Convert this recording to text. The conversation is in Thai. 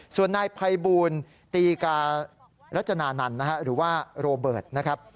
ส่วนนายภัยบูลตีการัจจนานันต์นะฮะหรือว่าโรเบิร์ตนะครับ